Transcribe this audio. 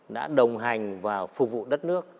đã đồng hành và phục vụ đất nước